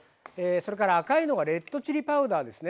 それから赤いのがレッドチリパウダーですね。